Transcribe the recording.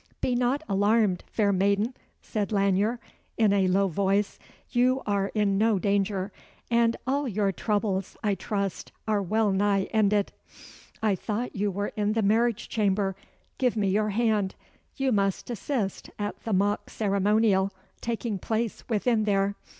"Be not alarmed, fair maiden," said Lanyere, in a low voice, "you are in no danger; and all your troubles, I trust, are well nigh ended. I thought you were in the marriage chamber. Give me your hand. You must assist at the mock ceremonial taking place within there.